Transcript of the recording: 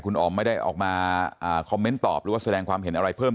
คุณออมไม่ได้ออกมาคอมเมนต์ตอบหรือว่าแสดงความเห็นอะไรเพิ่ม